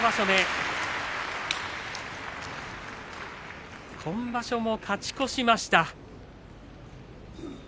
目今場所も勝ち越しました。